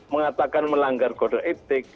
mengatakan melanggar kode etik